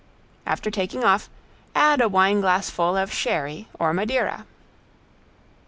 After taking off, add a wine glassful of Sherry or Madeira.